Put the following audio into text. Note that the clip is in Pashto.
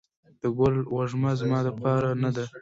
د ګل وږمه زما دپار نه وه